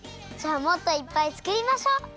じゃあもっといっぱいつくりましょう！